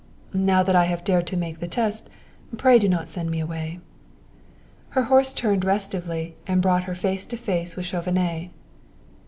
Now that I have dared to make the test, pray do not send me away." Her horse turned restlessly and brought her face to face with Chauvenet.